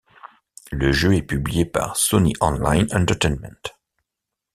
Le jeu est publié par Sony Online Entertainment.